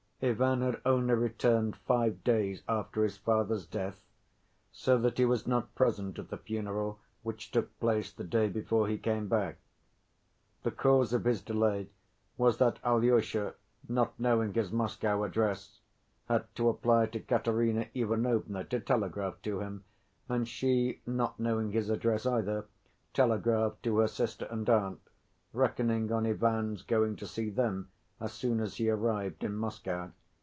Ivan had only returned five days after his father's death, so that he was not present at the funeral, which took place the day before he came back. The cause of his delay was that Alyosha, not knowing his Moscow address, had to apply to Katerina Ivanovna to telegraph to him, and she, not knowing his address either, telegraphed to her sister and aunt, reckoning on Ivan's going to see them as soon as he arrived in Moscow.